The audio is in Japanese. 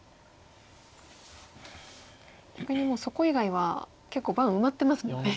逆にもうそこ以外は結構盤埋まってますもんね。